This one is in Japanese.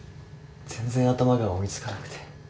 全然頭が追い付かなくて。